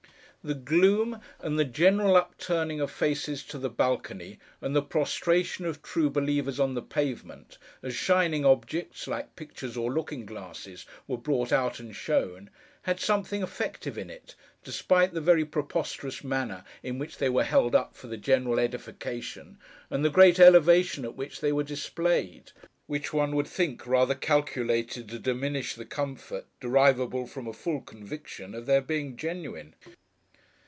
The gloom, and the general upturning of faces to the balcony, and the prostration of true believers on the pavement, as shining objects, like pictures or looking glasses, were brought out and shown, had something effective in it, despite the very preposterous manner in which they were held up for the general edification, and the great elevation at which they were displayed; which one would think rather calculated to diminish the comfort derivable from a full conviction of their being genuine.